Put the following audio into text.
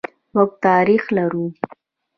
موږ تاریخ لرو.